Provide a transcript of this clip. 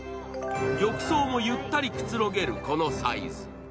浴槽もゆったりくつろげるこのサイズ。